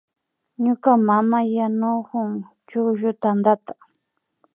Ñuka mama yanukun chukllu tantata